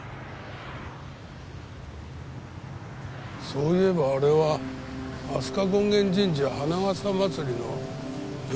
そういえばあれは飛鳥権現神社花笠祭りの夜だったな。